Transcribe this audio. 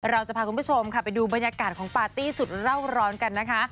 เราจะพาคุณผู้ชมค่ะไปดูบรรยากาศของปาร์ตี้สุดเล่าร้อนกันนะคะ